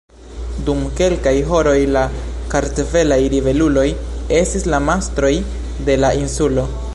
Dum kelkaj horoj, la kartvelaj ribeluloj estis la mastroj de la insulo.